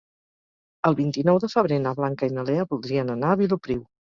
El vint-i-nou de febrer na Blanca i na Lea voldrien anar a Vilopriu.